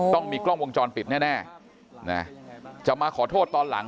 ต้องมีกล้องวงจรปิดแน่นะจะมาขอโทษตอนหลัง